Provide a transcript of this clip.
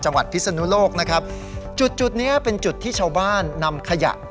พิศนุโลกนะครับจุดจุดเนี้ยเป็นจุดที่ชาวบ้านนำขยะ